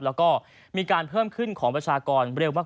แล้วก็มีการเพิ่มขึ้นของประชากรเร็วมาก